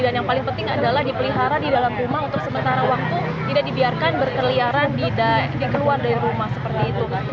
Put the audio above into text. dan yang paling penting adalah dipelihara di dalam rumah untuk sementara waktu tidak dibiarkan berkeliaran keluar dari rumah seperti itu